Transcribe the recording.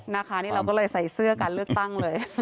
นะคะนี่เราก็เลยใส่เสื้อการเลือกตั้งเลย